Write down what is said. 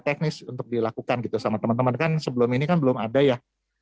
teknis untuk dilakukan gitu sama teman teman kan sebelum ini kan belum ada ya